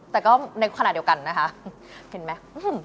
แต่ก็ในขณะเดียวกันนะคะเห็นไหม